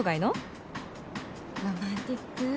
ロマンティック。